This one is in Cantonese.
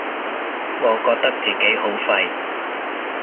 我覺得自己好廢